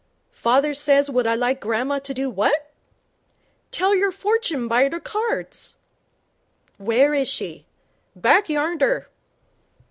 'Father says would I like grandma to do what?' 'Tell yer forch'n by ther cards.' 'Where is she?' 'Backyarnder.'